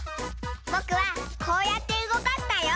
ぼくはこうやってうごかしたよ！